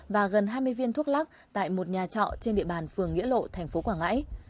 và gần hai mươi viên thuốc lắc tại một nhà trọ trên địa bàn phường nghĩa lộ thành phố quảng ngãi